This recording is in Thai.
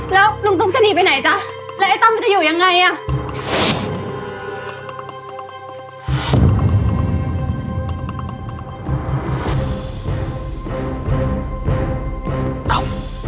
แล้วลุงตุ๊กจะหนีไปไหนจ๊ะแล้วไอ้ตั้มมันจะอยู่ยังไงอ่ะ